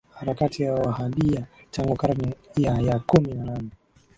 harakati ya Wahabiya tangu karne ya ya kumi na nane